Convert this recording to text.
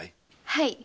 はい。